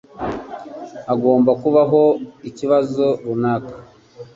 Hagomba kubaho ikibazo runaka.